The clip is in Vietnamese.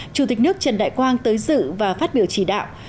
chủ tịch nước trần đại quang tới dự và phát biểu chỉ đạo